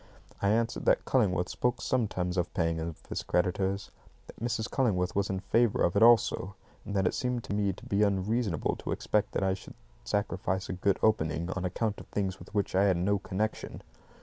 I answered that Cullingworth spoke sometimes of paying his creditors, that Mrs. Cullingworth was in favour of it also, and that it seemed to me to be unreasonable to expect that I should sacrifice a good opening on account of things with which I had no connection.